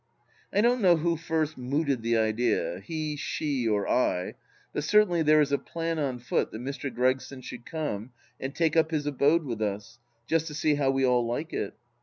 I don't know who first mooted the idea, he, she, or I, but certainly there is a plan on foot that Mr. Gregson should come and take up his abode with us, just to see how we all like it.